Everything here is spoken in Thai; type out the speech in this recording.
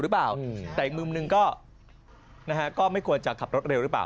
หรือเปล่าแต่อีกมุมหนึ่งก็นะฮะก็ไม่ควรจะขับรถเร็วหรือเปล่า